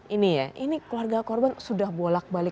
ini ya ini keluarga korban sudah bolak balik